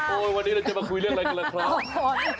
วันนี้เราจะมาคุยเรื่องอะไรกันล่ะครับ